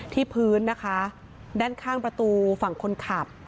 พื้นนะคะด้านข้างประตูฝั่งคนขับ